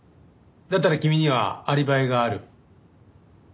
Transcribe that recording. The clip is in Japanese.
だったら君にはアリバイがある。